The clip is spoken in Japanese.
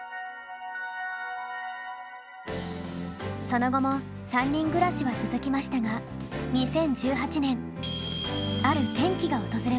その後も３人暮らしは続きましたが２０１８年ある転機が訪れます。